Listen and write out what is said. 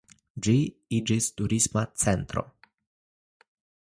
Ĝi iĝis turisma centro.